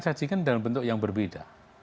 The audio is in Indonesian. sajikan dalam bentuk yang berbeda